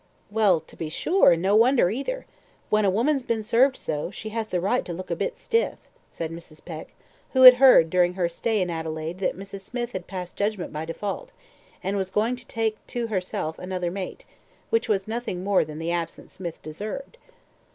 "Well, to be sure, and no wonder either! When a woman's been served so, she has the right to look a bit stiff," said Mrs. Peck, who had heard during her stay in Adelaide that Mrs. Smith had passed judgment by default, and was going to take to herself another mate, which was nothing more than the absent Smith deserved.